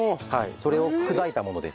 それを砕いたものです。